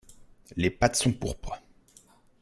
Les pattes sont pourpres.